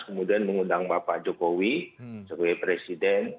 kemudian mengundang bapak jokowi sebagai presiden